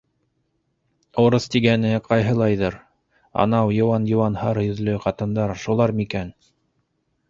Урыҫ тигәне ҡайһылайҙыр, анау йыуан-йыуан һары йөҙлө ҡатындар шулар микән?